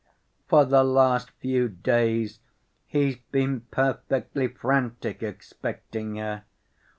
For the last few days he's been perfectly frantic expecting her.